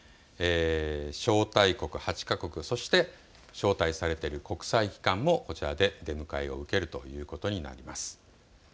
招待国８か国、そして招待されている国際機関もこちらで出迎えを受けるということになります。